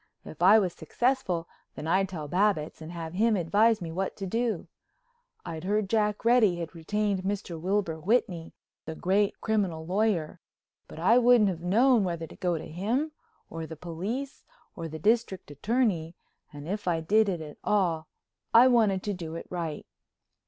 If I was successful, then I'd tell Babbitts and have him advise me what to do. I'd heard Jack Reddy had retained Mr. Wilbur Whitney, the great criminal lawyer, but I wouldn't have known whether to go to him or the police or the District Attorney and if I did it at all I wanted to do it right.